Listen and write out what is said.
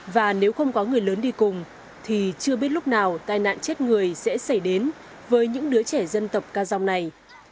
và nếu không có người lớn đi cùng thì chưa biết lúc nào tai nạn chết người sẽ xảy đến với những đứa trẻ dân tộc ca dòng này